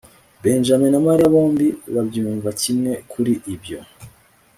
benjamin na mariya bombi babyumva kimwe kuri ibyo